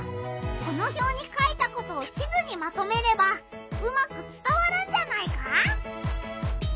このひょうに書いたことを地図にまとめればうまくつたわるんじゃないか？